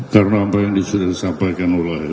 karena apa yang sudah disampaikan oleh